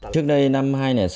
trước đây năm hai nghìn sáu